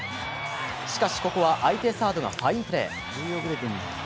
しかし、ここは相手サードがファインプレー。